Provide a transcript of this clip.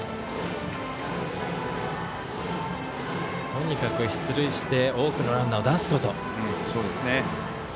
とにかく出塁して多くのランナーを出すこと。